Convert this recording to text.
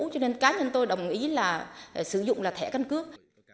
cho nên cá nhân tôi đồng ý là sử dụng là thẻ căn cước